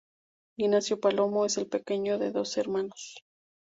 Ignacio Palomo es el pequeño de doce hermanos.